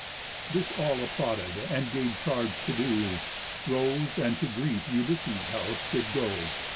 This all applauded, and gave charge to do, Rose, and to greet Ulysses' house did go.